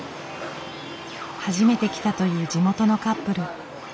初めて来たという地元のカップル。